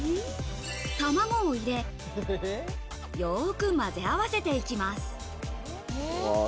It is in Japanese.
卵を入れ、よーくまぜ合わせていきます。